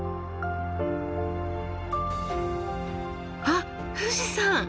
あっ富士山！